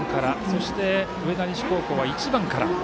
そして、上田西高校は１番から。